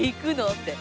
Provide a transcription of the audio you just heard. って。